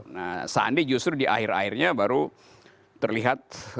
nah sandi justru di akhir akhirnya baru terlihat